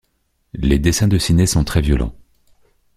Les dessins de Siné sont très violents.